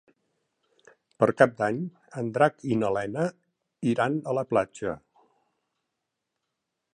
Per Cap d'Any en Drac i na Lena iran a la platja.